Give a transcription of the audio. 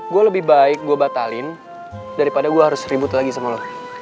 gue lebih baik gue batalin daripada gue harus ribut lagi sama lor